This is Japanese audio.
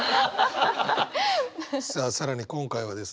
さあ更に今回はですね